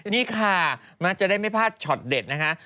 นี่ค่ะมักจะได้ไม่พลาดช็อตเด็ดนะคะ